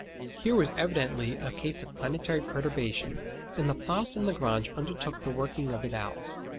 Here was evidently a case of planetary perturbation, and Laplace and Lagrange undertook the working of it out.